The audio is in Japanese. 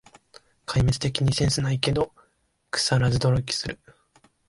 壊滅的にセンスないけど、くさらず努力する